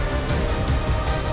sampai jumpa lagi